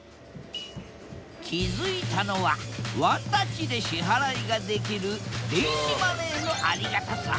気付いたのはワンタッチで支払いができる電子マネーのありがたさ